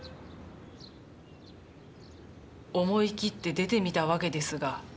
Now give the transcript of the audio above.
思い切って出てみたわけですが。